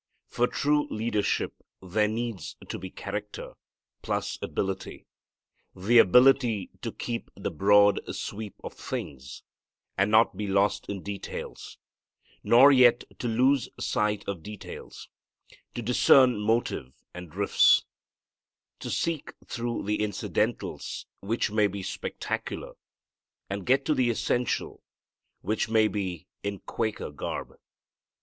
For true leadership, there needs to be character plus ability: the ability to keep the broad sweep of things, and not be lost in details, nor yet to lose sight of details; to discern motive and drifts; to sift through the incidentals which may be spectacular and get to the essential which may be in Quaker garb.